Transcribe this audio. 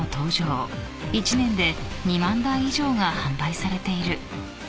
［１年で２万台以上が販売されている］